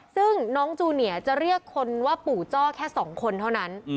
ซึ่งน้องจูเนียจะเรียกคนว่าปู่จ้อแค่๒คนเท่านั้น